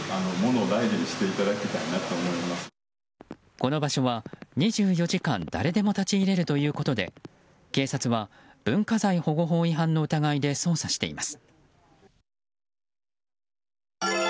この場所は２４時間誰でも立ち入れるということで警察は文化財保護法違反の疑いで捜査しています。